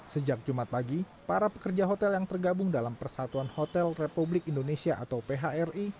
sejak jumat pagi para pekerja hotel yang tergabung dalam persatuan hotel republik indonesia atau phri